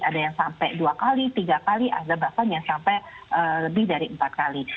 ada yang sampai dua kali tiga kali ada bahkan yang sampai lebih dari empat kali